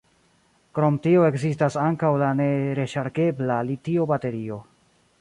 Krom tio ekzistas ankaŭ la ne-reŝargebla litio-baterio.